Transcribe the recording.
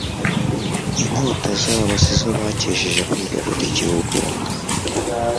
Inkota zabo si zo bakesheje kwigarurira igihugu